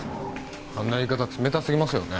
あんな言い方冷たすぎますよね